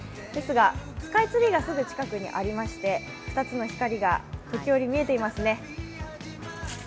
ですが、スカイツリーがすぐ近くにありまして、２つの光が時折見えていますね。